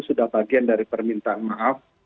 sudah bagian dari permintaan maaf